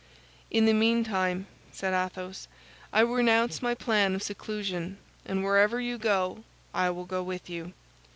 "In the meantime," said Athos, "I renounce my plan of seclusion, and wherever you go, I will go with you.